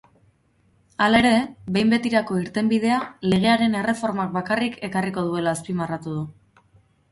Hala ere, behin betirako irtenbidea legearen erreformak bakarrik ekarriko duela azpimarratu du.